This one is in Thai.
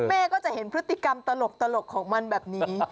แม่ก็จะเห็นพฤติกรรมตลกของมันแบบนี้